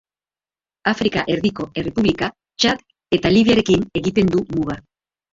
Afrika Erdiko Errepublika, Txad eta Libiarekin egiten du muga.